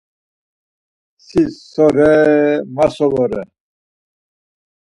Si so ore, ma so vore?